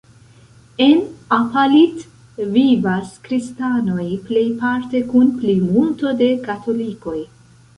En Apalit vivas kristanoj plejparte kun plimulto de katolikoj.